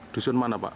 dusun mana pak